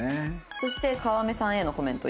そして川目さんへのコメント